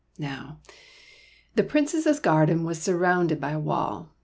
Now, the Princess's garden was surrounded by a wall.